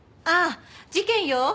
ああ事件よ。